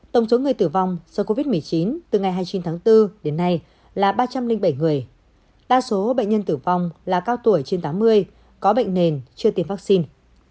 tổng số người tử vong do covid một mươi chín từ ngày hai mươi chín tháng bốn đến nay là ba trăm linh bảy người đa số bệnh nhân tử vong là cao tuổi trên tám mươi có bệnh nền chưa tiêm vaccine